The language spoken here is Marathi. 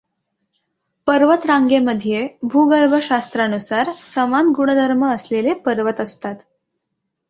पर्वतरांगेमध्ये भूगर्भशास्त्रानुसार समान गुणधर्म असलेले पर्वत असतात.